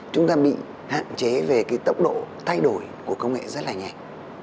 chúng ta bị hạn chế về cái tốc độ thay đổi của công nghệ rất là nhanh